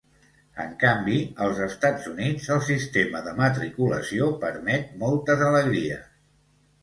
En canvi, als Estats Units el sistema de matriculació permet moltes alegries.